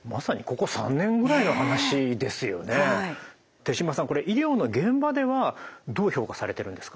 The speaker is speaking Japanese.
これ医療の現場ではどう評価されているんですか？